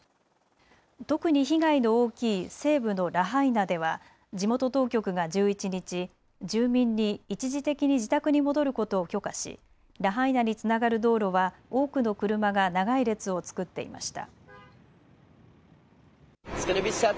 特に被害の大きい西部のラハイナでは地元当局が１１日、住民に一時的に自宅に戻ることを許可しラハイナにつながる道路は多くの車が長い列を作っていました。